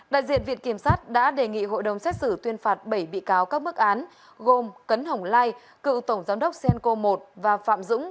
đại diện viện kiểm sát đã đề nghị hội đồng xét xử tuyên phạt bảy bị cáo các bức án gồm cấn hồng lai cựu tổng giám đốc cenco một và phạm dũng